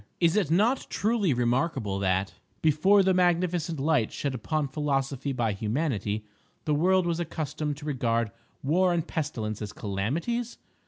Is it not truly remarkable that, before the magnificent light shed upon philosophy by Humanity, the world was accustomed to regard War and Pestilence as calamities?